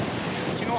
きのう